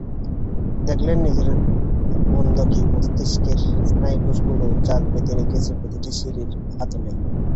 দেখলেন, নিজের বন্ধকি মস্তিষ্কের স্নায়ুকোষগুলো জাল পেতে রেখেছে প্রতিটি সিঁড়ির হাতলে।